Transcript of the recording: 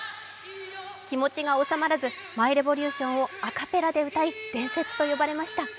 気持ちが収まらず「ＭｙＲｅｖｏｌｕｔｉｏｎ」をアカペラで歌い伝説と呼ばれました。